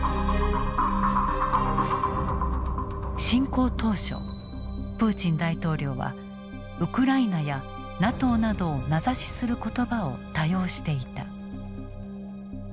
侵攻当初プーチン大統領は「ウクライナ」や「ＮＡＴＯ」などを名指しする言葉を多用していた。